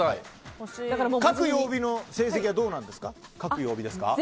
各曜日の成績はどうですか？